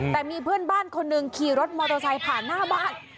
แต่มีเพื่อนบ้านคนหนึ่งขี่รถมอเตอร์ไซค์ผ่านหน้าบ้าน